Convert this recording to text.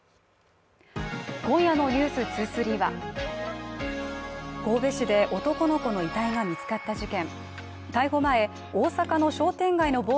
今夜の「ｎｅｗｓ２３」は神戸市で男の子の遺体が見つかった事件。